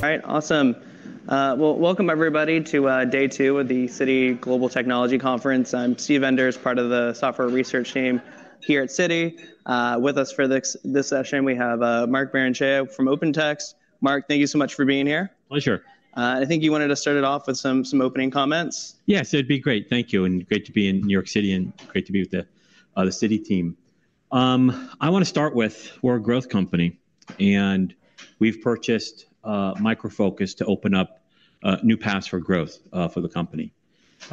All right, awesome. Well, welcome everybody to day two of the Citi Global Technology Conference. I'm Steve Enders, part of the software research team here at Citi. With us for this session, we have Mark Barrenechea from OpenText. Mark, thank you so much for being here. Pleasure. I think you wanted to start it off with some opening comments? Yes, it'd be great. Thank you, and great to be in New York City, and great to be with the Citi team. I wanna start with, we're a growth company, and we've purchased Micro Focus to open up new paths for growth for the company.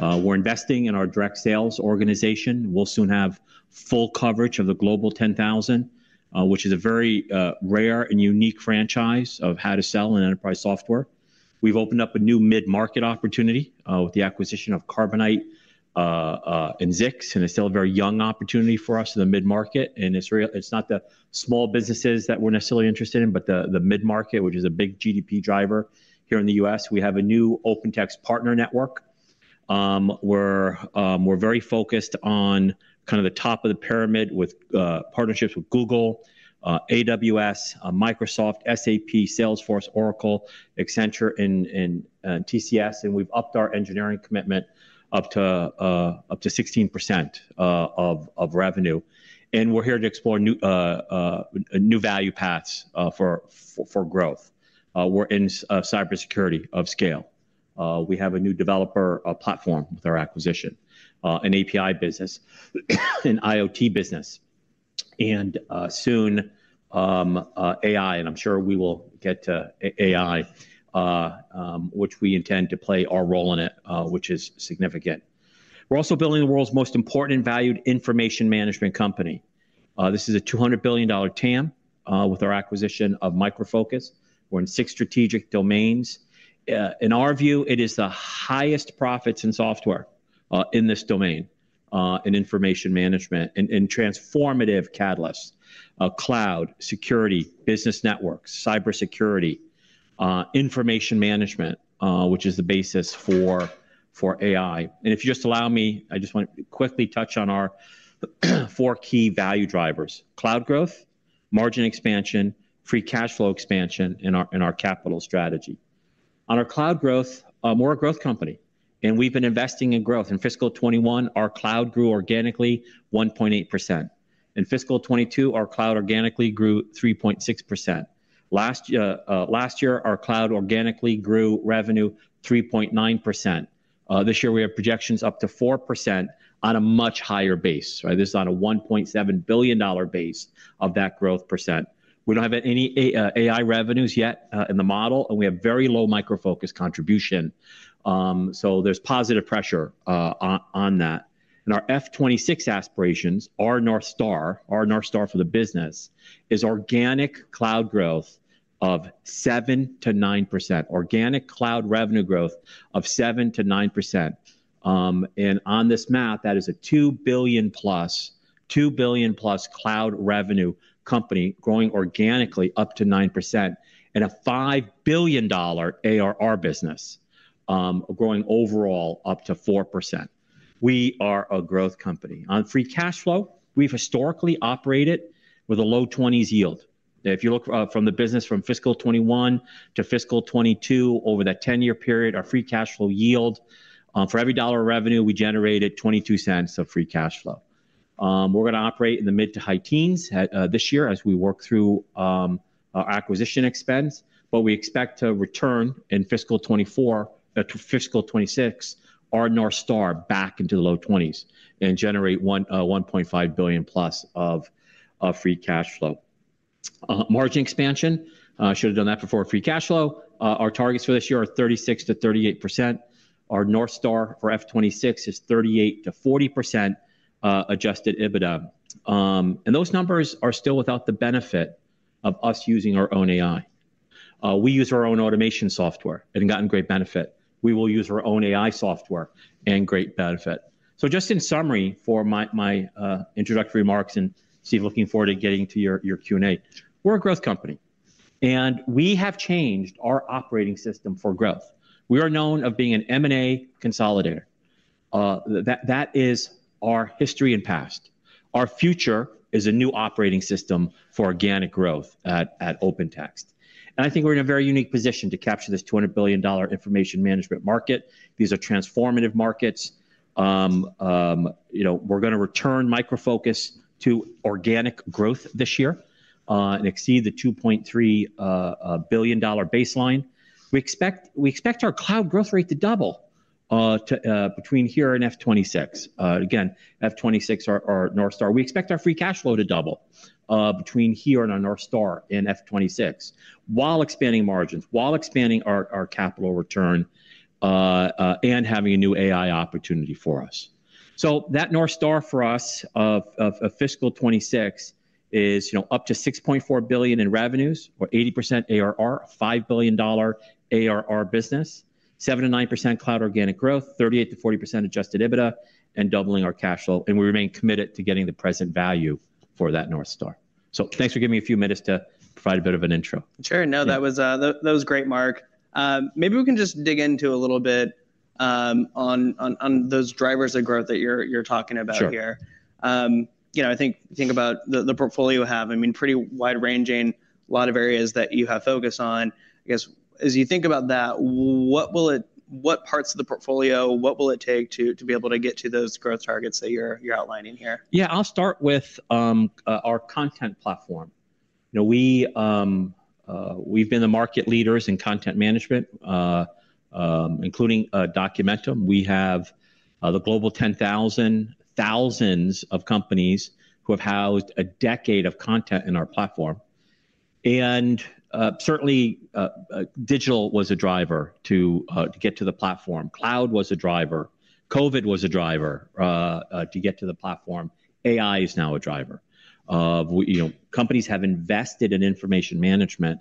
We're investing in our direct sales organization. We'll soon have full coverage of the Global 10,000, which is a very rare and unique franchise of how to sell an enterprise software. We've opened up a new mid-market opportunity with the acquisition of Carbonite and Zix, and it's still a very young opportunity for us in the mid-market, and it's real, it's not the small businesses that we're necessarily interested in, but the mid-market, which is a big GDP driver here in the U.S. We have a new OpenText partner network. We're very focused on kind of the top of the pyramid with partnerships with Google, AWS, Microsoft, SAP, Salesforce, Oracle, Accenture, and TCS, and we've upped our engineering commitment up to 16% of revenue. We're here to explore new value paths for growth. We're in cybersecurity of scale. We have a new developer platform with our acquisition, an API business, an IoT business, and soon AI, and I'm sure we will get to AI, which we intend to play our role in it, which is significant. We're also building the world's most important and valued information management company. This is a $200 billion TAM with our acquisition of Micro Focus. We're in six strategic domains. In our view, it is the highest profits in software, in this domain, in information management and, and transformative catalysts, cloud, security, business networks, cybersecurity, information management, which is the basis for, for AI. And if you just allow me, I just want to quickly touch on our four key value drivers: cloud growth, margin expansion, free cash flow expansion, and our capital strategy. On our cloud growth, we're a growth company, and we've been investing in growth. In fiscal 2021, our cloud grew organically 1.8%. In fiscal 2022, our cloud organically grew 3.6%. Last year, our cloud organically grew revenue 3.9%. This year we have projections up to 4% on a much higher base, right? This is on a $1.7 billion base of that growth percent. We don't have any AI revenues yet in the model, and we have very low Micro Focus contribution. So there's positive pressure on that. And our FY 2026 aspirations, our North Star, our North Star for the business, is organic cloud growth of 7%-9%. Organic cloud revenue growth of 7%-9%. And on this math, that is a two billion plus, two billion plus cloud revenue company growing organically up to 9%, and a $5 billion ARR business growing overall up to 4%. We are a growth company. On free cash flow, we've historically operated with a low 20s yield. If you look from the business from fiscal 2021 to fiscal 2022, over that 10-year period, our free cash flow yield, for every dollar of revenue, we generated $0.22 of free cash flow. We're gonna operate in the mid to high teens this year as we work through our acquisition expense, but we expect to return in fiscal 2024 to fiscal 2026, our North Star back into the low twenties and generate $1.5 billion+ of free cash flow. Margin expansion, should have done that before free cash flow. Our targets for this year are 36%-38%. Our North Star for FY 2026 is 38%-40% Adjusted EBITDA. Those numbers are still without the benefit of us using our own AI. We use our own automation software and gotten great benefit. We will use our own AI software and great benefit. So just in summary, for my introductory remarks, and Steve, looking forward to getting to your Q&A, we're a growth company, and we have changed our operating system for growth. We are known of being an M&A consolidator. That is our history and past. Our future is a new operating system for organic growth at OpenText. And I think we're in a very unique position to capture this $200 billion information management market. These are transformative markets. You know, we're gonna return Micro Focus to organic growth this year and exceed the $2.3 billion baseline. We expect our cloud growth rate to double to between here and FY 2026. Again, FY 2026, our North Star. We expect our free cash flow to double between here and our North Star in FY 2026, while expanding margins, while expanding our capital return, and having a new AI opportunity for us. So that North Star for us of fiscal 2026 is, you know, up to $6.4 billion in revenues or 80% ARR, $5 billion ARR business, 7%-9% cloud organic growth, 38%-40% Adjusted EBITDA, and doubling our cash flow, and we remain committed to getting the present value for that North Star. So thanks for giving me a few minutes to provide a bit of an intro. Sure. No, that was great, Mark. Maybe we can just dig into a little bit on those drivers of growth that you're talking about here. Sure. You know, I think, think about the, the portfolio you have. I mean, pretty wide-ranging, a lot of areas that you have focus on. I guess, as you think about that, what will it, what parts of the portfolio, what will it take to, to be able to get to those growth targets that you're, you're outlining here? Yeah, I'll start with our content platform. You know, we, we've been the market leaders in content management, including Documentum. We have the global 10,000, thousands of companies who have housed a decade of content in our platform. And certainly digital was a driver to get to the platform. Cloud was a driver. COVID was a driver to get to the platform. AI is now a driver of, you know, companies have invested in information management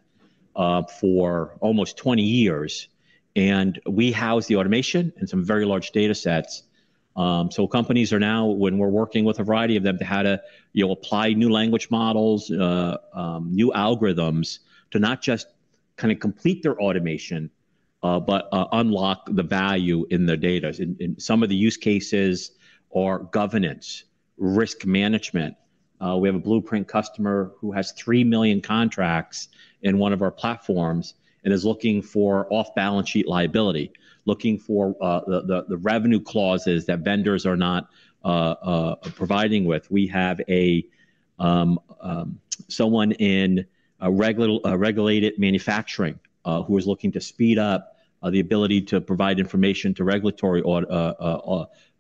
for almost 20 years, and we house the automation and some very large data sets. So companies are now, when we're working with a variety of them, to how to, you know, apply new language models, new algorithms, to not just kinda complete their automation, but unlock the value in their data. In some of the use cases are governance, risk management. We have a blueprint customer who has three million contracts in one of our platforms and is looking for off-balance sheet liability, looking for the revenue clauses that vendors are not providing with. We have someone in a regulated manufacturing who is looking to speed up the ability to provide information to regulatory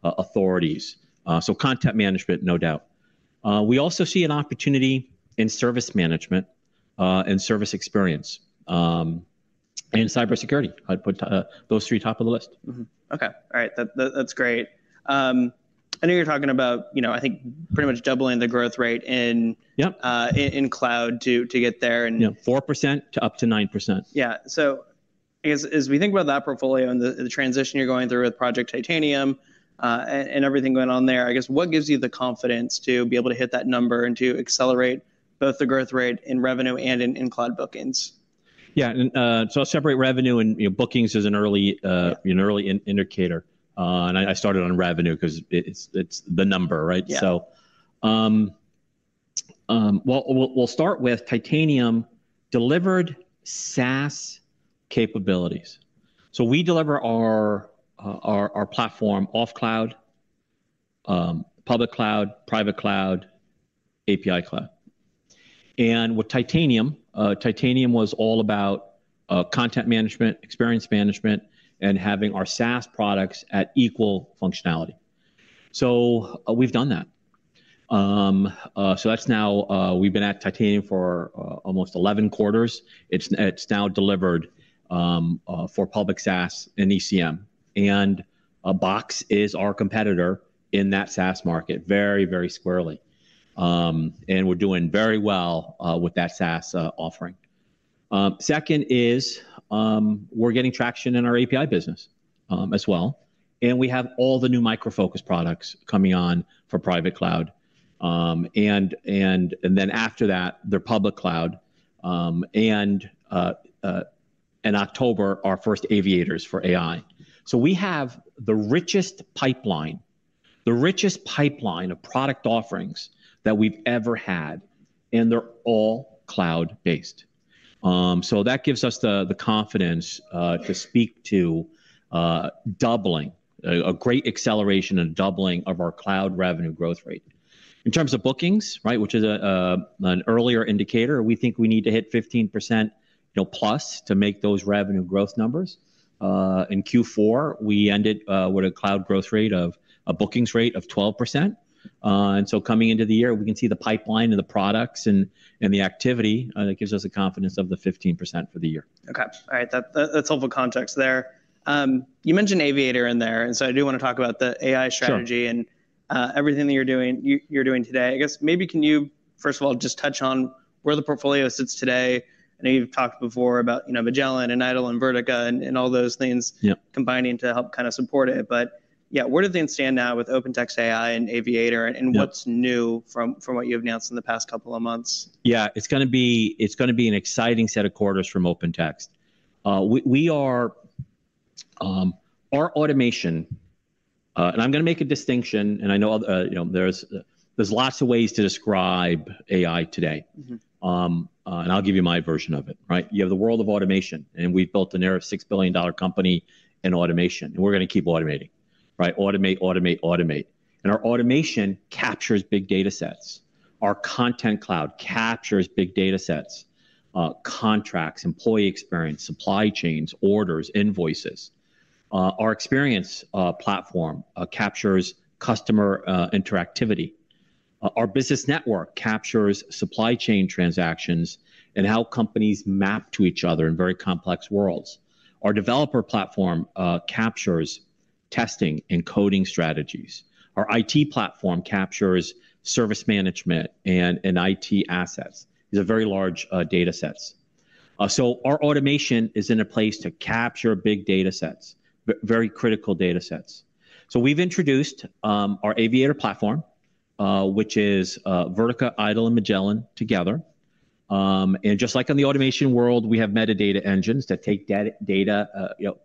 authorities. So content management, no doubt. We also see an opportunity in Service Management and Service Experience and Cybersecurity. I'd put those three top of the list. Okay. All right. That, that, that's great. I know you're talking about, you know, I think, pretty much doubling the growth rate in cloud to get there, and. Yeah, 4%-9%. Yeah. So I guess, as we think about that portfolio and the transition you're going through with Project Titanium, and everything going on there, I guess what gives you the confidence to be able to hit that number and to accelerate both the growth rate in revenue and in cloud bookings? Yeah, and, so I'll separate revenue and, you know, bookings as an early indicator, and I started on revenue 'cause it's the number, right? Yeah. So, well, we'll start with Titanium delivered SaaS capabilities. So we deliver our platform Offcloud, Public Cloud, Private Cloud, API cloud. And with Titanium, Titanium was all about content management, experience management, and having our SaaS products at equal functionality. So, we've done that. So that's now, we've been at Titanium for almost 11 quarters. It's now delivered for public SaaS and ECM, and Box is our competitor in that SaaS market, very squarely. And we're doing very well with that SaaS offering. Second is, we're getting traction in our API business as well, and we have all the new Micro Focus products coming on for Private Cloud. And then after that, the Public Cloud, and in October, our first Aviators for AI. So we have the richest pipeline, the richest pipeline of product offerings that we've ever had, and they're all cloud-based. So that gives us the confidence to speak to doubling, a great acceleration and doubling of our cloud revenue growth rate. In terms of bookings, right, which is an earlier indicator, we think we need to hit 15%, you know, plus, to make those revenue growth numbers. In Q4, we ended with a cloud growth rate of a bookings rate of 12%. And so coming into the year, we can see the pipeline and the products and the activity that gives us the confidence of the 15% for the year. Okay. All right, that that's helpful context there. You mentioned Aviator in there, and so I do wanna talk about the AI strategy. Sure And everything that you're doing today. I guess maybe can you, first of all, just touch on where the portfolio sits today? I know you've talked before about, you know, Magellan and IDOL and Vertica, and all those things. Yep Combining to help kinda support it. But yeah, where do things stand now with OpenText AI and Aviator and what's new from what you've announced in the past couple of months? Yeah, it's gonna be, it's gonna be an exciting set of quarters from OpenText. We are our automation, and I'm gonna make a distinction, and I know, you know, there's lots of ways to describe AI today. And I'll give you my version of it, right? You have the world of automation, and we've built a near six billion-dollar company in automation, and we're gonna keep automating, right? Automate, automate, automate. And our automation captures big data sets. Our content cloud captures big data sets, contracts, employee experience, supply chains, orders, invoices. Our Experience platform captures customer interactivity. Our business network captures supply chain transactions and how companies map to each other in very complex worlds. Our developer platform captures testing and coding strategies. Our IT platform captures service management and IT assets. These are very large data sets. So our automation is in a place to capture big data sets, very critical data sets. So we've introduced our Aviator platform, which is Vertica, IDOL, and Magellan together. And just like in the automation world, we have metadata engines that take data, data, you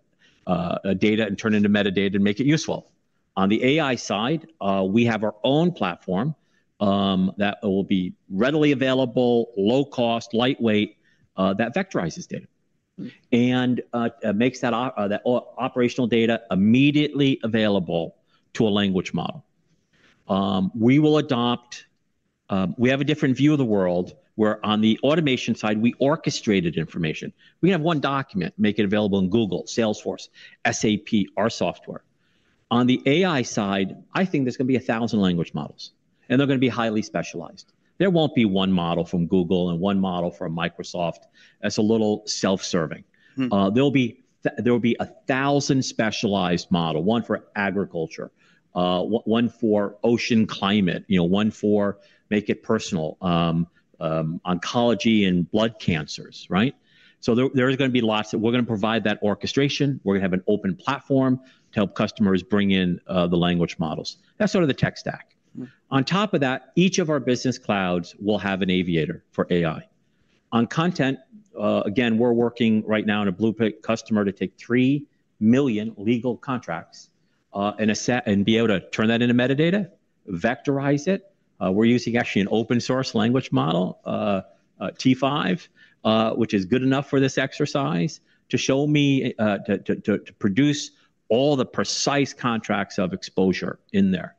know, data and turn into metadata and make it useful. On the AI side, we have our own platform that will be readily available, low cost, lightweight, that vectorizes data and makes that operational data immediately available to a language model. We will adopt. We have a different view of the world, where on the automation side, we orchestrated information. We have one document, make it available in Google, Salesforce, SAP, our software. On the AI side, I think there's gonna be 1,000 language models, and they're gonna be highly specialized. There won't be one model from Google and one model from Microsoft. That's a little self-serving. There'll be there will be 1,000 specialized model, one for agriculture, one for ocean climate, you know, one for make it personal, oncology and blood cancers, right? So there, there is gonna be lots that we're gonna provide that orchestration. We're gonna have an open platform to help customers bring in, the language models. That's sort of the tech stack. On top of that, each of our business clouds will have an Aviator for AI. On content, again, we're working right now on a blueprint customer to take three million legal contracts and be able to turn that into metadata, vectorize it. We're using actually an open-source language model, T5, which is good enough for this exercise, to show me to produce all the precise contracts of exposure in there.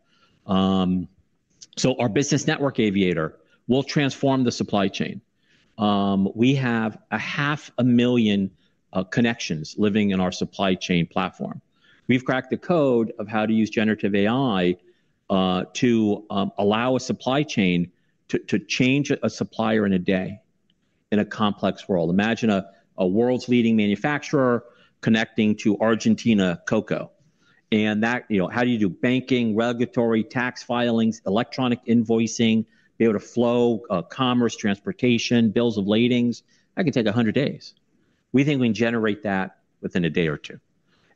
So our Business Network Aviator will transform the supply chain. We have 500,000 connections living in our supply chain platform. We've cracked the code of how to use generative AI to allow a supply chain to change a supplier in a day in a complex world. Imagine a world's leading manufacturer connecting to Argentina cocoa, and that... You know, how do you do banking, regulatory, tax filings, electronic invoicing, be able to flow, commerce, transportation, bills of lading? That can take 100 days. We think we can generate that within a day or two.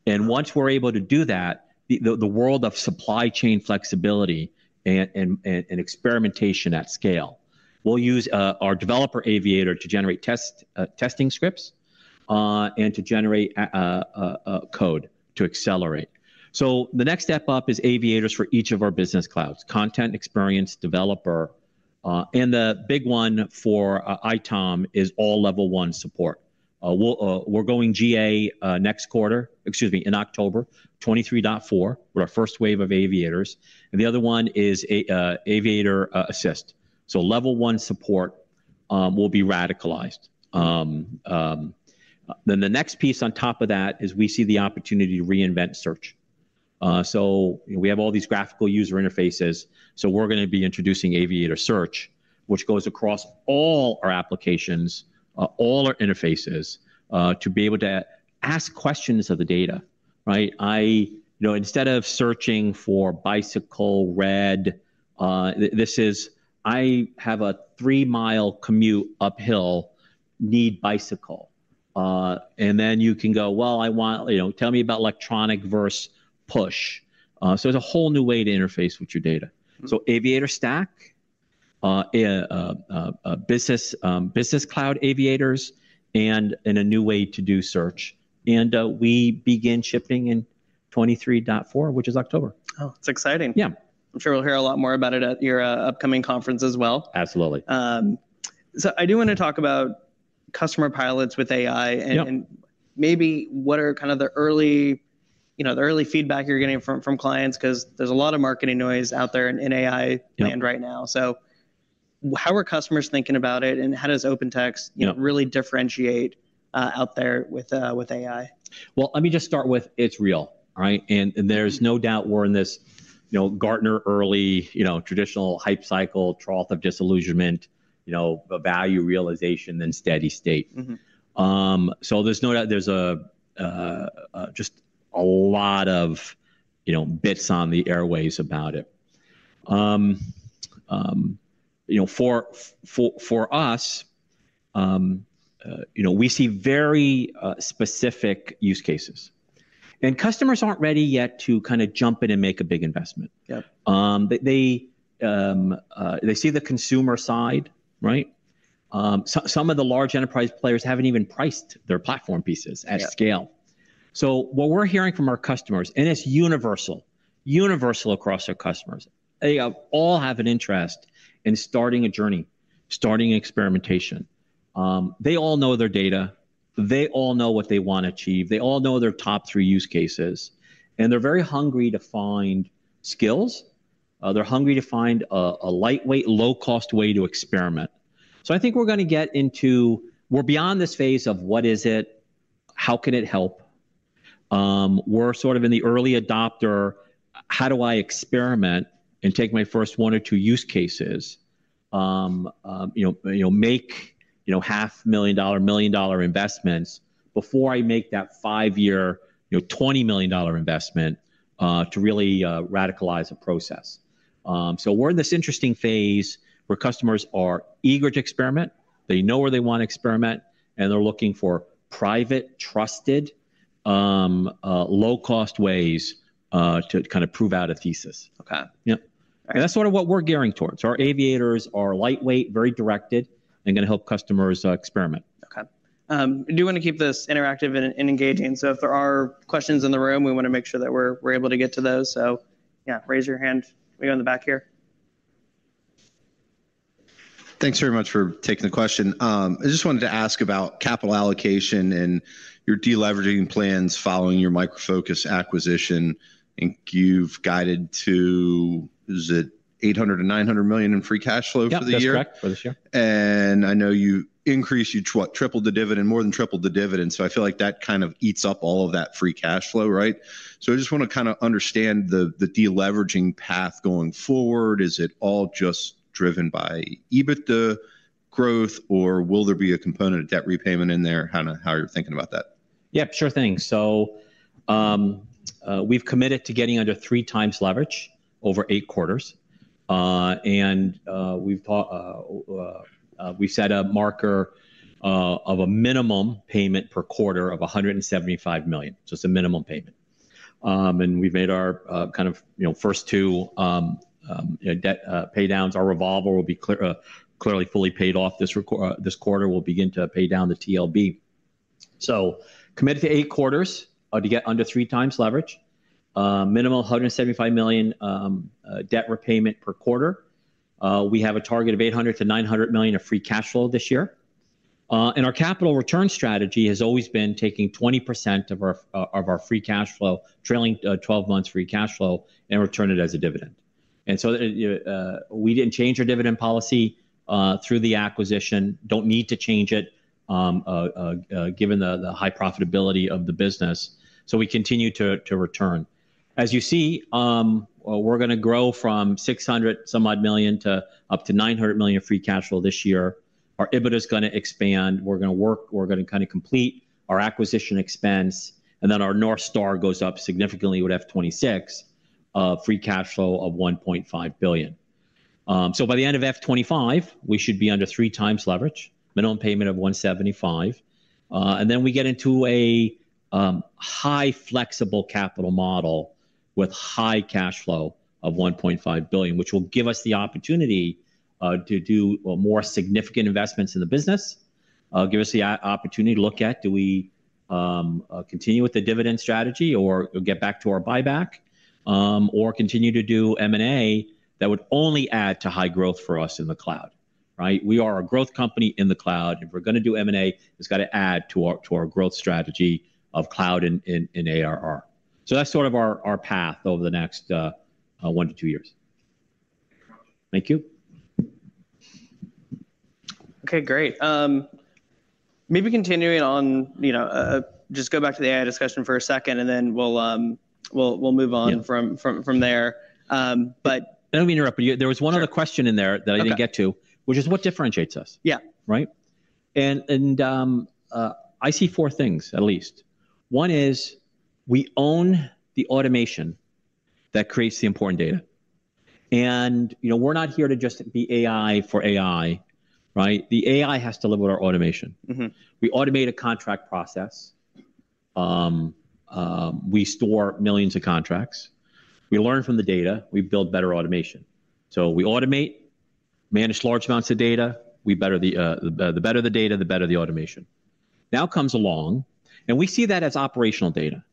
And once we're able to do that, the world of supply chain flexibility and experimentation at scale. We'll use our Developer Aviator to generate testing scripts and to generate a code to accelerate. So the next step up is aviators for each of our business clouds: Content, Experience, Developer, and the big one for ITOM is all Level 1 support. We're going GA next quarter, excuse me, in October 2023.4 with our first wave of aviators, and the other one is a Aviator Assist. So Level 1 support will be radicalized. Then the next piece on top of that is we see the opportunity to reinvent search. So, you know, we have all these graphical user interfaces, so we're gonna be introducing Aviator Search, which goes across all our applications, all our interfaces, to be able to ask questions of the data, right? You know, instead of searching for bicycle, red, this is, "I have a three-mile commute uphill, need bicycle." And then you can go: "Well, I want... You know, tell me about electronic versus push." So it's a whole new way to interface with your data. So, Aviator stack, Business Cloud Aviators, and a new way to do search, and we begin shipping in 23.4, which is October. Oh, it's exciting! Yeah. I'm sure we'll hear a lot more about it at your upcoming conference as well. Absolutely. So, I do wanna talk about customer pilots with AI. Yeah And maybe what are kind of the early, you know, the early feedback you're getting from clients, 'cause there's a lot of marketing noise out there in AI. Yeah Land right now. So how are customers thinking about it, and how does OpenText you know, really differentiate out there with, with AI? Well, let me just start with, it's real, right? And there's no doubt we're in this, you know, Gartner early, you know, traditional hype cycle, trough of disillusionment, you know, a value realization, then steady state. So there's no doubt there's a just a lot of, you know, bits on the airwaves about it. You know, for us, you know, we see very specific use cases, and customers aren't ready yet to kinda jump in and make a big investment. Yep. They see the consumer side, right? So some of the large enterprise players haven't even priced their platform pieces at scale. So what we're hearing from our customers, and it's universal, universal across our customers, they all have an interest in starting a journey, starting experimentation. They all know their data, they all know what they want to achieve, they all know their top three use cases, and they're very hungry to find skills. They're hungry to find a lightweight, low-cost way to experiment. So I think we're gonna get into. We're beyond this phase of what is it? How can it help? We're sort of in the early adopter, how do I experiment and take my first one or two use cases, you know, make $500,000-$1 million investments before I make that five-year $20 million investment to really radicalize the process? So we're in this interesting phase where customers are eager to experiment, they know where they want to experiment, and they're looking for private, trusted, low-cost ways to kind of prove out a thesis. Okay. Yeah. All right. That's sort of what we're gearing towards. Our Aviators are lightweight, very directed, and gonna help customers experiment. Okay. I do wanna keep this interactive and engaging, so if there are questions in the room, we wanna make sure that we're able to get to those. So yeah, raise your hand. We have in the back here. Thanks very much for taking the question. I just wanted to ask about capital allocation and your de-leveraging plans following your Micro Focus acquisition. I think you've guided to, is it $800 million-$900 million in free cash flow for the year? Yeah, that's correct, for this year. I know you tripled the dividend, more than tripled the dividend, so I feel like that kind of eats up all of that free cash flow, right? So I just wanna kinda understand the de-leveraging path going forward. Is it all just driven by EBITDA growth, or will there be a component of debt repayment in there? Kinda how you're thinking about that. Yeah, sure thing. So, we've committed to getting under 3x leverage over eight quarters. And, we've set a marker of a minimum payment per quarter of $175 million, just a minimum payment. And we've made our, kind of, you know, first two debt pay downs. Our revolver will be clear, clearly fully paid off this quarter, we'll begin to pay down the TLB. So committed to eight quarters to get under 3x leverage. Minimum $175 million debt repayment per quarter. We have a target of $800 million-$900 million of free cash flow this year. Our capital return strategy has always been taking 20% of our free cash flow, trailing 12 months free cash flow, and return it as a dividend. We didn't change our dividend policy through the acquisition. Don't need to change it, given the high profitability of the business, so we continue to return. As you see, we're gonna grow from $600 some odd million to up to $900 million of free cash flow this year. Our EBITDA is gonna expand. We're gonna work, we're gonna kinda complete our acquisition expense, and then our North Star goes up significantly with FY 2026 free cash flow of $1.5 billion. By the end of FY 2025, we should be under 3x leverage, minimum payment of $175. And then we get into a high flexible capital model with high cash flow of $1.5 billion, which will give us the opportunity to do more significant investments in the business. Give us the opportunity to look at, do we continue with the dividend strategy or get back to our buyback? Or continue to do M&A, that would only add to high growth for us in the cloud, right? We are a growth company in the cloud, and if we're gonna do M&A, it's gotta add to our, to our growth strategy of cloud and, and, and ARR. So that's sort of our, our path over the next one to two years. Thank you. Okay, great. Maybe continuing on, you know, just go back to the AI discussion for a second, and then we'll move on from there. But. I don't mean to interrupt you. There was one other question in there. Okay That I didn't get to, which is what differentiates us? Yeah. Right? I see four things at least. One is, we own the automation that creates the important data. You know, we're not here to just be AI for AI, right? The AI has to live with our automation. We automate a contract process, we store millions of contracts, we learn from the data, we build better automation. We automate, manage large amounts of data, the better the data, the better the automation. Now comes along, and we see that as operational data,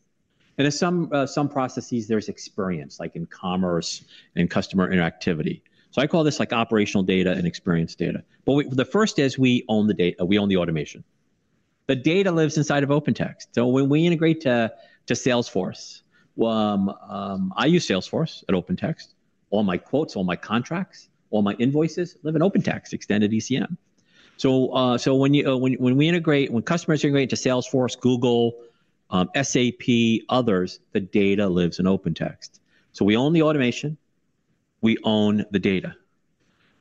and in some processes, there's Experience, like in commerce and customer interactivity. I call this, like, Operational Data and Experience Data. The first is we own the automation. The data lives inside of OpenText. When we integrate to Salesforce, I use Salesforce at OpenText. All my quotes, all my contracts, all my invoices live in OpenText, extended ECM. When you, when we integrate, when customers integrate to Salesforce, Google, SAP, others, the data lives in OpenText. So we own the automation, we own the data.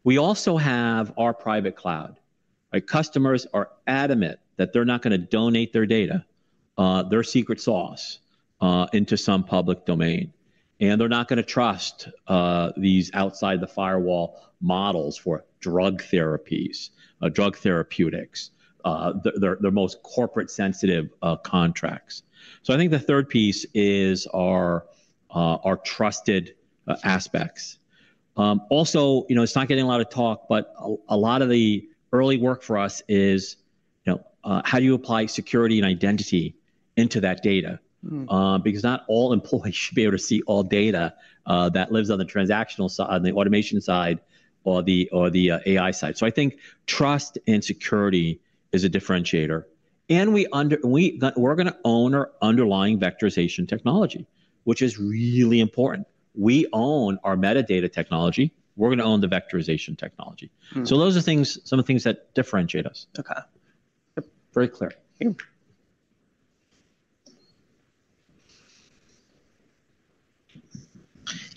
We also have our Private Cloud. Our customers are adamant that they're not gonna donate their data, their secret sauce, into some public domain, and they're not gonna trust these outside-the-firewall models for drug therapies, drug therapeutics, their most corporate sensitive contracts. So I think the third piece is our trusted aspects. Also, you know, it's not getting a lot of talk, but a lot of the early work for us is, you know, how do you apply security and identity into that data? Because not all employees should be able to see all data that lives on the transactional side, on the automation side or the AI side. So I think trust and security is a differentiator. And we're gonna own our underlying vectorization technology, which is really important. We own our metadata technology, we're gonna own the vectorization technology. Those are things, some of the things that differentiate us. Okay. Yep. Very clear. Thank you.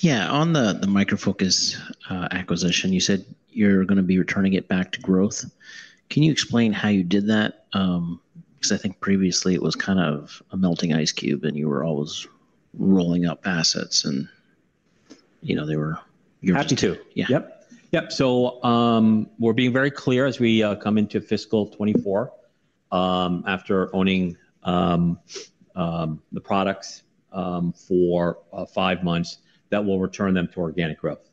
Yeah, on the Micro Focus acquisition, you said you're gonna be returning it back to growth. Because I think previously it was kind of a melting ice cube, and you were always rolling up assets, and you know, they were have to. Yeah. Yep. Yep, so, we're being very clear as we come into fiscal 2024, after owning the products for five months, that we'll return them to organic growth.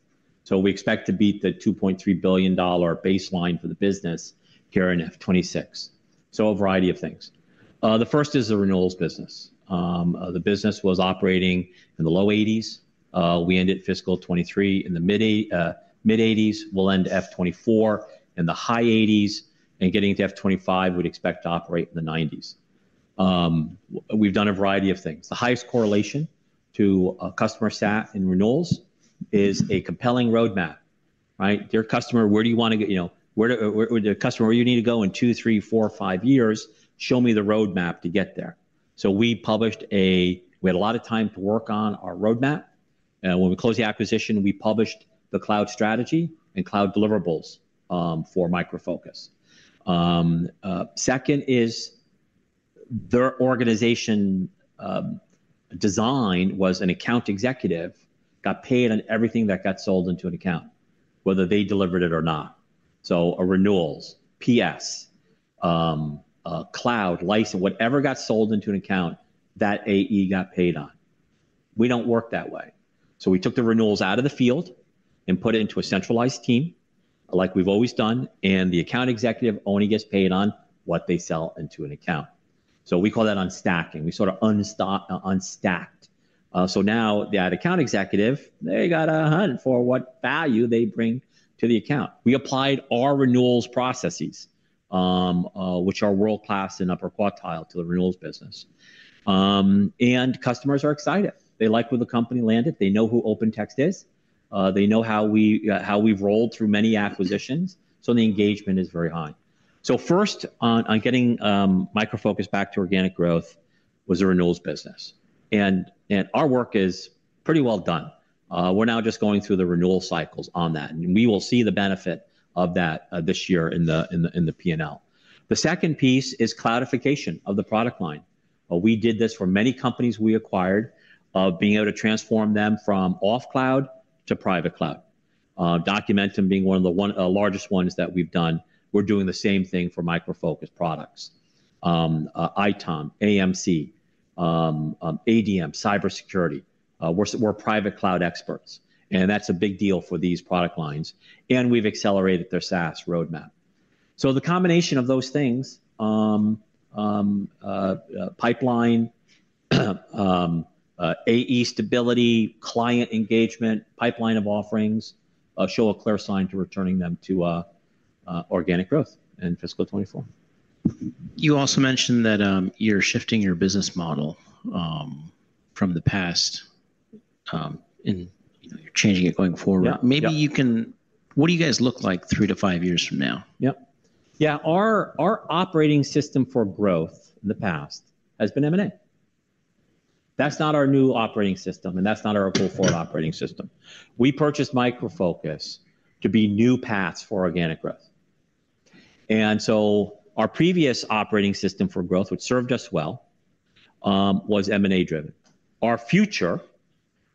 We expect to beat the $2.3 billion baseline for the business here in FY 2026. A variety of things. The first is the renewals business. The business was operating in the low 80s. We ended fiscal 2023 in the mid-80s. We'll end FY 2024 in the high 80s, and getting into FY 2025, we'd expect to operate in the 90s. We've done a variety of things. The highest correlation to a customer sat in renewals is a compelling roadmap, right? Dear customer, where do you wanna get, you know, where dear customer, where you need to go in 2, 3, 4, 5 years, show me the roadmap to get there. So we published a... We had a lot of time to work on our roadmap, and when we closed the acquisition, we published the cloud strategy and cloud deliverables for Micro Focus. Second is their organization design was an account executive got paid on everything that got sold into an account, whether they delivered it or not. So renewals, PS, a cloud, license, whatever got sold into an account, that AE got paid on. We don't work that way. So we took the renewals out of the field and put it into a centralized team, like we've always done, and the account executive only gets paid on what they sell into an account. So we call that unstacking. We sorta unstacked. So now, that account executive, they got 100 for what value they bring to the account. We applied our renewals processes, which are world-class and upper quartile to the renewals business. And customers are excited. They like where the company landed. They know who OpenText is. They know how we, how we've rolled through many acquisitions, so the engagement is very high. So first, on getting Micro Focus back to organic growth was the renewals business, and our work is pretty well done. We're now just going through the renewal cycles on that, and we will see the benefit of that this year in the P&L. The second piece is cloudification of the product line. We did this for many companies we acquired, of being able to transform them from Offcloud to Private Cloud. Documentum being one of the largest ones that we've done. We're doing the same thing for Micro Focus products. ITOM, AMC, ADM, Cybersecurity. We're Private Cloud experts, and that's a big deal for these product lines, and we've accelerated their SaaS roadmap. So the combination of those things, pipeline, AE stability, client engagement, pipeline of offerings, show a clear sign to returning them to organic growth in fiscal 2024. You also mentioned that, you're shifting your business model, from the past, and, you know, you're changing it going forward. Yeah. Maybe you can... What do you guys look like three to five years from now? Yep. Yeah, our operating system for growth in the past has been M&A. That's not our new operating system, and that's not our go forward operating system. We purchased Micro Focus to be new paths for organic growth. And so our previous operating system for growth, which served us well, was M&A driven. Our future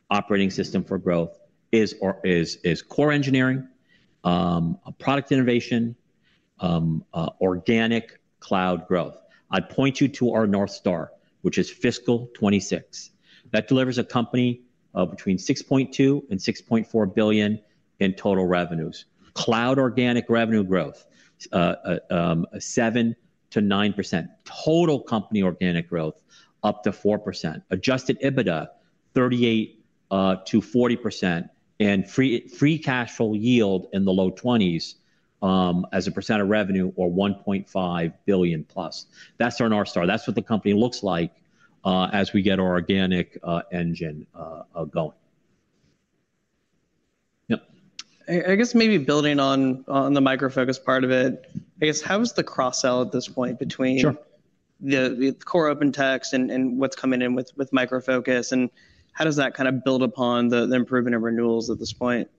operating system for growth is core engineering, product innovation, organic cloud growth. I'd point you to our North Star, which is fiscal 2026. That delivers a company of between $6.2 billion-$6.4 billion in total revenues. Cloud organic revenue growth, 7%-9%. Total company organic growth, up to 4%. Adjusted EBITDA, 38%-40%, and free cash flow yield in the low 20s percent of revenue, or $1.5 billion plus. That's our North Star. That's what the company looks like as we get our organic engine going. Yep. I guess maybe building on the Micro Focus part of it, I guess how is the cross-sell at this point between. Sure The core OpenText and what's coming in with Micro Focus, and how does that kinda build upon the improvement of renewals at this point?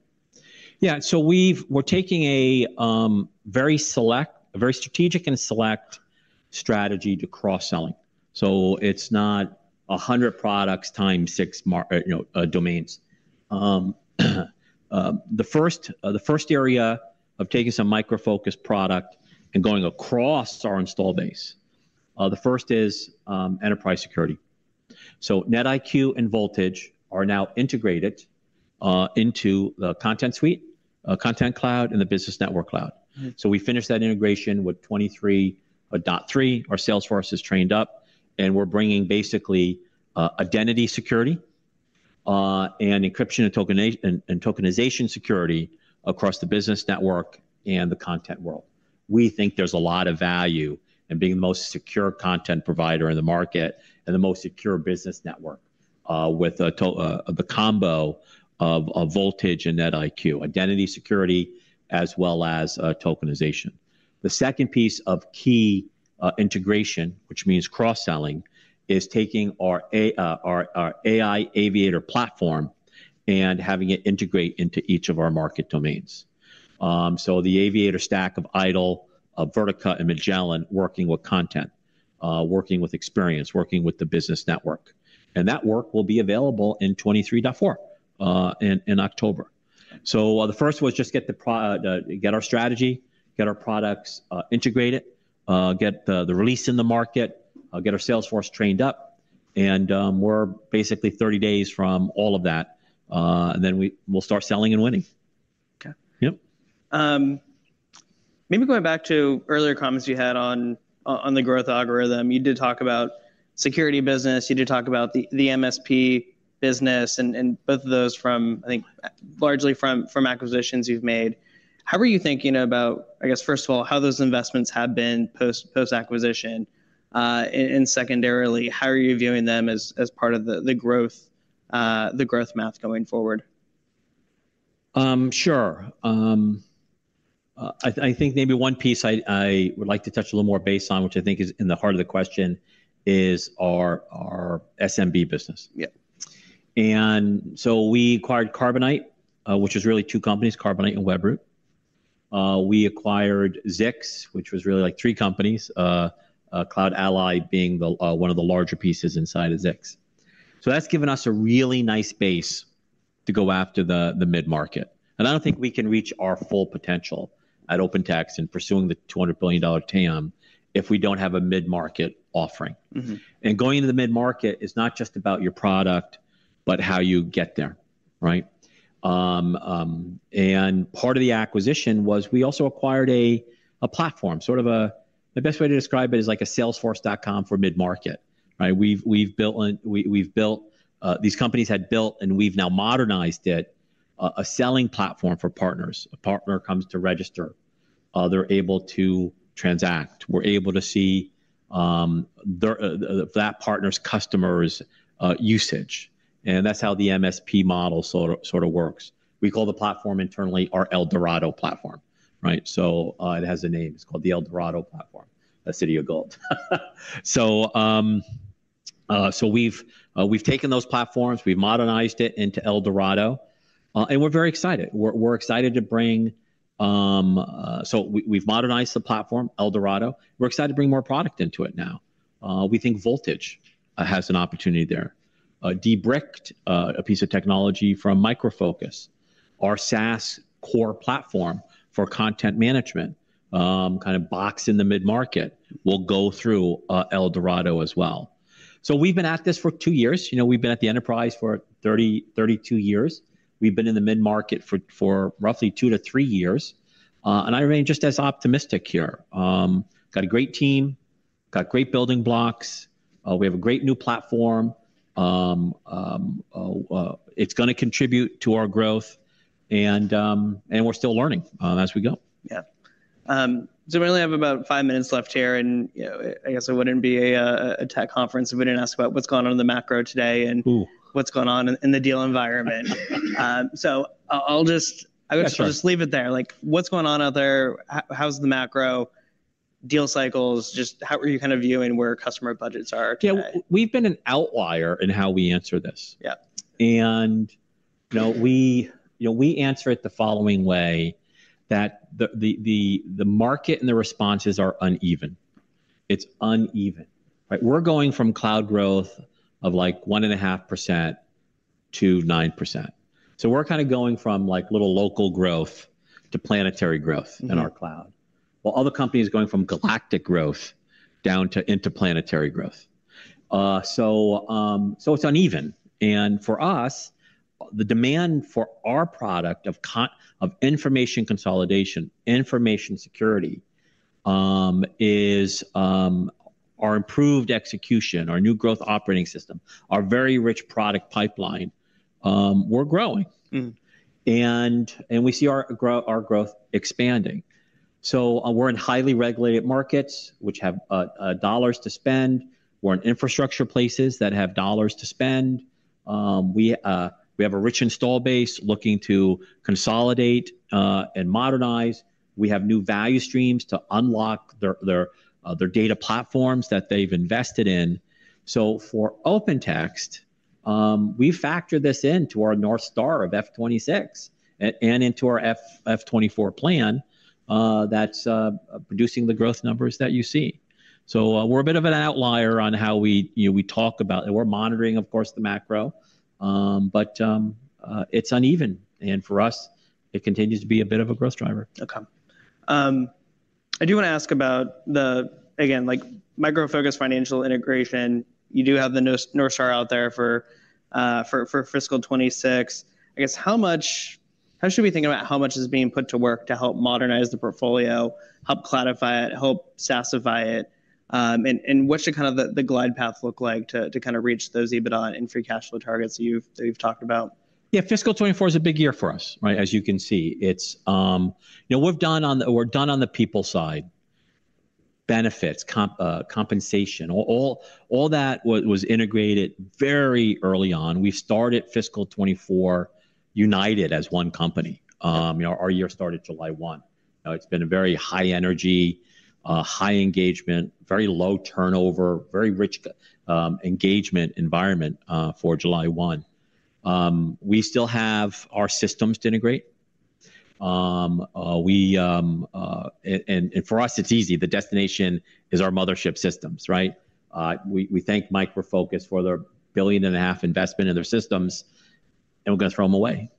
Yeah. So we're taking a very select, a very strategic and select strategy to cross-selling. So it's not 100 products times six domains. The first, the first area of taking some Micro Focus product and going across our install base, the first is enterprise security. So NetIQ and Voltage are now integrated into the Content Suite, Content Cloud, and the Business Network Cloud. So we finished that integration with 23.3. Our Salesforce is trained up, and we're bringing basically, identity security, and encryption and tokenization security across the business network and the content world. We think there's a lot of value in being the most secure content provider in the market and the most secure business network, with the combo of Voltage and NetIQ, identity security, as well as tokenization. The second piece of key integration, which means cross-selling, is taking our AI Aviator platform and having it integrate into each of our market domains. So the Aviator stack of IDOL, of Vertica, and Magellan working with Content, working with Experience, working with the Business Network. And that work will be available in 23.4, in October. So, the first was just get our strategy, get our products integrated, get the release in the market, get our Salesforce trained up, and we're basically 30 days from all of that, and then we'll start selling and winning. Okay. Yep. Maybe going back to earlier comments you had on the growth algorithm. You did talk about security business, you did talk about the MSP business, and both of those from, I think, largely from acquisitions you've made. How are you thinking about, I guess, first of all, how those investments have been post-acquisition? Secondarily, how are you viewing them as part of the growth math going forward? Sure. I think maybe one piece I would like to touch a little more base on, which I think is in the heart of the question, is our SMB business. Yeah. And so we acquired Carbonite, which is really two companies, Carbonite and Webroot. We acquired Zix, which was really, like, three companies, CloudAlly being the one of the larger pieces inside of Zix. So that's given us a really nice base to go after the mid-market. And I don't think we can reach our full potential at OpenText in pursuing the $200 billion TAM if we don't have a mid-market offering. Going into the mid-market is not just about your product, but how you get there, right? And part of the acquisition was we also acquired a platform. The best way to describe it is like a salesforce.com for mid-market, right? We've built on- we've built, these companies had built, and we've now modernized it, a selling platform for partners. A partner comes to register, they're able to transact. We're able to see, their, that partner's customer's, usage, and that's how the MSP model sort of works. We call the platform internally our El Dorado platform, right? It has a name. It's called the El Dorado platform, the City of Gold. So we've taken those platforms, we've modernized it into El Dorado, and we're very excited. We're excited to bring. So we've modernized the platform, El Dorado. We're excited to bring more product into it now. We think Voltage has an opportunity there. Debricked, a piece of technology from Micro Focus, our SaaS core platform for content management, kind of Box in the mid-market, will go through El Dorado as well. So we've been at this for two years. You know, we've been at the enterprise for thirty-two years. We've been in the mid-market for roughly two to three years. And I remain just as optimistic here. Got a great team, got great building blocks, we have a great new platform. It's gonna contribute to our growth, and we're still learning as we go. Yeah. So we only have about five minutes left here, and, you know, I guess it wouldn't be a tech conference if we didn't ask about what's going on in the macro today and what's going on in the deal environment. So, I'll just. That's right. I would just leave it there. Like, what's going on out there? How's the macro deal cycles? Just how are you kind of viewing where customer budgets are today? Yeah, we've been an outlier in how we answer this. Yeah. You know, we answer it the following way: that the market and the responses are uneven. It's uneven, right? We're going from cloud growth of, like, 1.5%-9%. So we're kind of going from, like, little local growth to planetary growth in our Cloud, while other companies are going from galactic growth down to interplanetary growth. So it's uneven, and for us, the demand for our product of information consolidation, information security, is our improved execution, our new growth operating system, our very rich product pipeline. We're growing and we see our growth expanding. So, we're in highly regulated markets which have dollars to spend. We're in infrastructure places that have dollars to spend. We have a rich install base looking to consolidate and modernize. We have new value streams to unlock their data platforms that they've invested in. So for OpenText, we factor this into our North Star of FY 2026 and into our FY 2024 plan, that's producing the growth numbers that you see. So, we're a bit of an outlier on how we, you know, we talk about. And we're monitoring, of course, the macro, but it's uneven, and for us, it continues to be a bit of a growth driver. Okay. I do want to ask about the, again, like, Micro Focus financial integration. You do have the North Star out there for fiscal 2026. I guess, how should we think about how much is being put to work to help modernize the portfolio, help Cloudify it, help SaaSify it? And what should kind of the glide path look like to kind of reach those EBITDA and free cash flow targets that you've talked about? Yeah, fiscal 2024 is a big year for us, right? As you can see, it's you know, we're done on the people side: benefits, comp, compensation. All, all that was, was integrated very early on. We started fiscal 2024 united as one company. Yeah. You know, our year started July 1. It's been a very high energy, high engagement, very low turnover, very rich, engagement environment, for July 1. We still have our systems to integrate and, for us, it's easy. The destination is our mothership systems, right? We thank Micro Focus for their $1.5 billion investment in their systems, and we're gonna throw them away.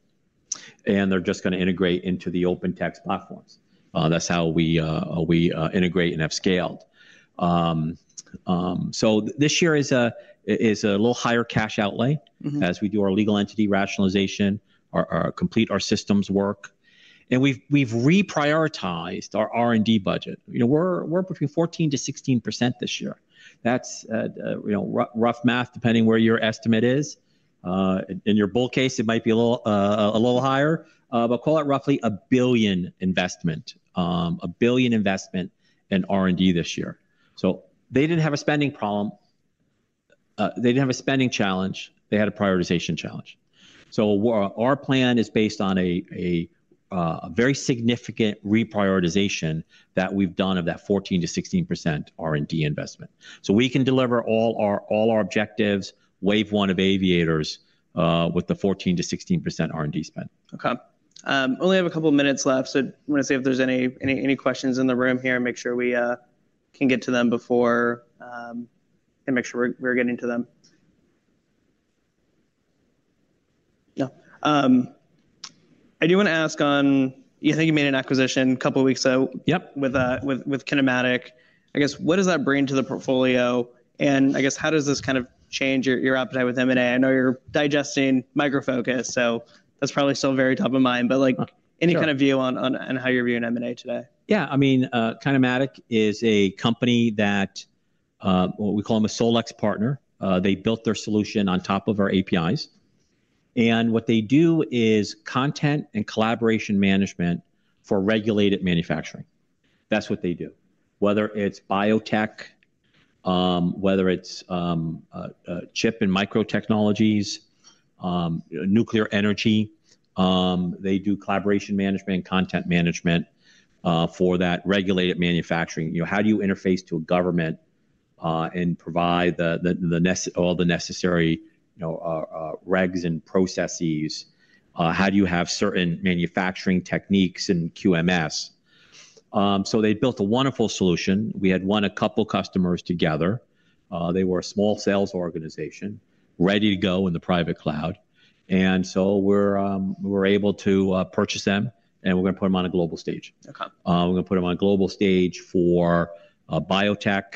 And they're just gonna integrate into the OpenText platforms. That's how we integrate and have scaled. So this year is a little higher cash outlay. As we do our legal entity rationalization, complete our systems work, and we've reprioritized our R&D budget. You know, we're between 14%-16% this year. That's you know, rough math, depending where your estimate is. In your bull case, it might be a little higher, but call it roughly $1 billion investment, a $1 billion investment in R&D this year. So they didn't have a spending problem. They didn't have a spending challenge, they had a prioritization challenge. So our plan is based on a very significant reprioritization that we've done of that 14%-16% R&D investment. So we can deliver all our objectives, Wave One of Aviators, with the 14%-16% R&D spend. Okay. Only have a couple of minutes left, so I want to see if there's any questions in the room here, and make sure we can get to them before and make sure we're getting to them. No. I do want to ask on, I think you made an acquisition a couple of weeks ago with KineMatik. I guess, what does that bring to the portfolio, and I guess, how does this kind of change your appetite with M&A? I know you're digesting Micro Focus, so that's probably still very top of mind. Sure. Like, any kind of view on how you're viewing M&A today? Yeah, I mean, KineMatik is a company that, well, we call them a SolEx partner. They built their solution on top of our APIs, and what they do is content and collaboration management for regulated manufacturing. That's what they do. Whether it's biotech, whether it's chip and microtechnologies, nuclear energy, they do collaboration management, content management for that regulated manufacturing. You know, how do you interface to a government and provide all the necessary, you know, regs and processes? How do you have certain manufacturing techniques in QMS? So they built a wonderful solution. We had won a couple customers together. They were a small sales organization, ready to go in the Private Cloud, and so we were able to purchase them, and we're going to put them on a global stage. Okay. We're going to put them on a global stage for biotech,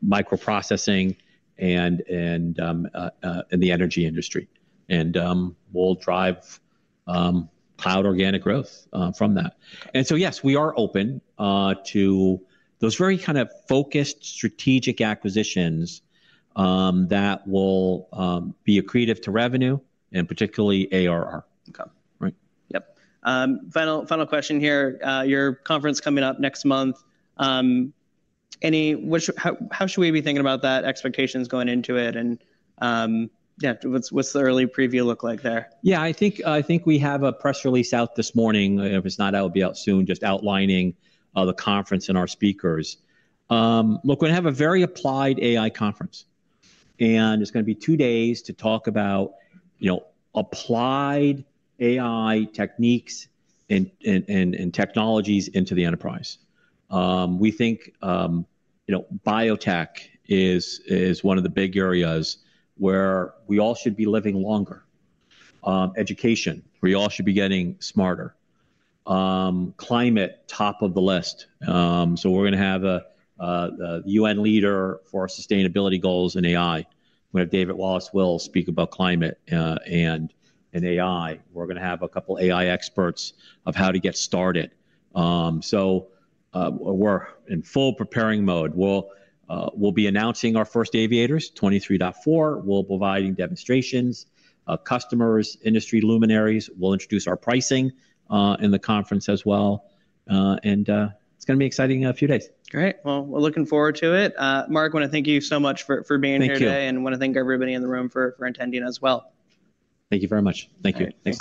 microprocessing, and in the energy industry. We'll drive cloud organic growth from that. So, yes, we are open to those very kind of focused strategic acquisitions that will be accretive to revenue and particularly ARR. Okay. Right. Yep. Final, final question here. Your conference coming up next month, how should we be thinking about that, expectations going into it, and yeah, what's the early preview look like there? Yeah, I think, I think we have a press release out this morning. If it's not, it'll be out soon, just outlining the conference and our speakers. Look, we have a very applied AI conference, and it's gonna be two days to talk about, you know, applied AI techniques and technologies into the enterprise. We think, you know, biotech is one of the big areas where we all should be living longer. Education, we all should be getting smarter. Climate, top of the list. So we're gonna have the UN leader for sustainability goals in AI. We have David Wallace-Wells speak about climate and AI. We're gonna have a couple of AI experts of how to get started. So we're in full preparing mode. We'll, we'll be announcing our first Aviators, 23.4. We'll be providing demonstrations, customers, industry luminaries. We'll introduce our pricing, in the conference as well. And, it's gonna be exciting a few days. Great! Well, we're looking forward to it. Mark, want to thank you so much for being here today. Thank you. And want to thank everybody in the room for attending as well. Thank you very much. Thank you. Thanks.